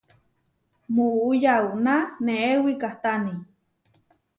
Muú yauná neé wikahtáni.